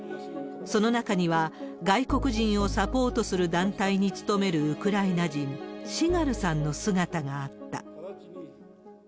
その中には、外国人をサポートする団体に勤めるウクライナ人、シガルさんの姿があった。